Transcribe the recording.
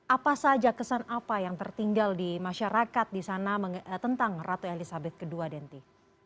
apa saja kesan apa yang tertinggal di masyarakat di sana tentang ratu elizabeth ii denti